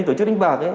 tổ chức đánh bạc